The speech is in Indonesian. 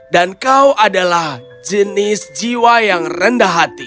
dan kau adalah jenis jiwa yang rendah hati